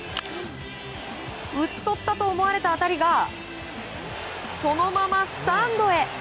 打ち取ったと思われた当たりがそのままスタンドへ。